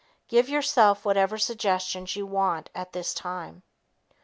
Give yourself whatever suggestions you want at this time.